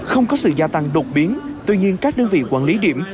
không có sự gia tăng đột biến tuy nhiên các đơn vị quản lý điểm